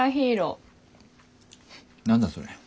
何だそれ。